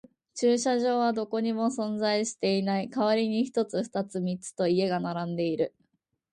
駐車場はどこにも存在していない。代わりに一つ、二つ、三つと家が並んでいる。